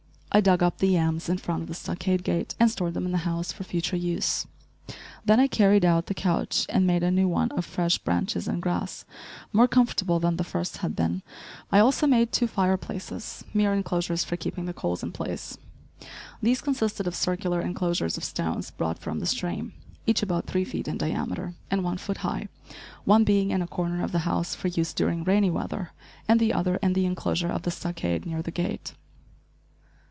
I dug up the yams in front of the stockade gate and stored them in the house for future use. Then I carried out the couch and made a new one of fresh branches and grass, more comfortable than the first had been. I also made two fire places, mere enclosures for keeping the coals in place. These consisted of circular enclosures of stones brought from the stream, each about three feet in diameter and one foot high, one being in a corner of the house for use during rainy weather, and the other in the enclosure of the stockade, near the gate.